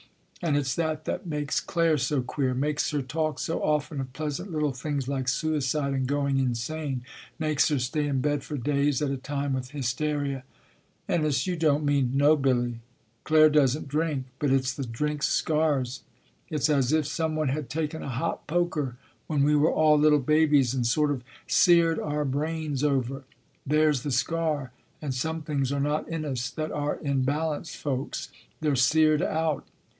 And it s that that makes Claire so queer ; makes her talk so often of pleasant little things like suicide and going insane; makes her stay in bed for days at a time with hysteria." "Ennis, you don t mean " "No, Billy, Claire doesn t drink, but it s the drink s scars. It s as if some one had taken a hot poker when we were all little babies and sort of seared our brains over. There s the scar ; and some things are not in us that are in balanced folks; they re seared out.